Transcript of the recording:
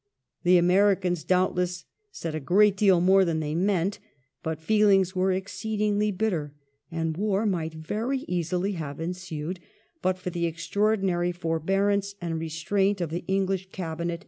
The Americans doubt less said a great deal more than they meant, but feelings were ex ceedingly bitter, and war might very easily have ensued but for the extraordinary forbearance and restraint of the English Cabinet ^ Cf.